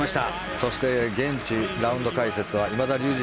そして現地ラウンド解説は今田竜二